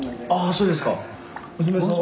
そうですか。